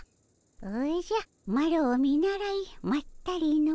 おじゃマロを見習いまったりの。